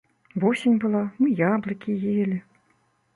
Восень была, мы яблыкі елі.